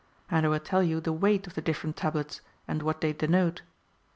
And I will tell you the weight of the different tablets, and what they denote.